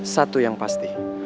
satu yang pasti